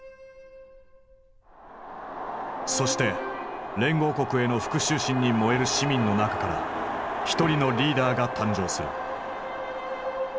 そして連合国への復讐心に燃える市民の中から一人のリーダーが誕生する。